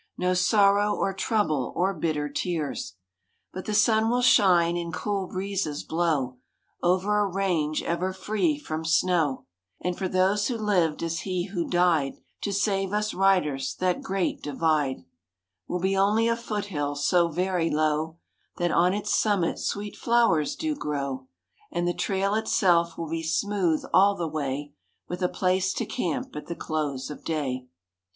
No sorrow or trouble or bitter tears. But the sun will shine, and cool breezes blow, Over a range ever free from snow; And for those who lived as He who died To save us riders—that Great Divide Will be only a foothill, so very low; That on its summit sweet flowers do grow, And the trail itself will be smooth all the way, With a place to camp at the close of day.